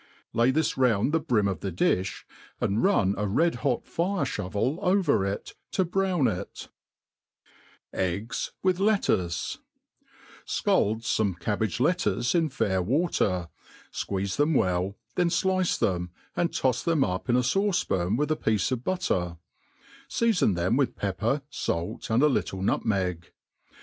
Lay this round the brim of the di(h, and ruii a red hot fire (hovel over it^ to brown it4 Eggs with Lettuce* SCALD Tome cabbage lettuce in fair winter, fqueeze tbeni well, then flice them, and tofs them up in a fauce^paa with a piece of butter ; feafon them with pepper, fait, and a little nutmeg.